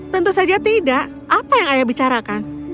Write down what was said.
tentu saja tidak apa yang ayah bicarakan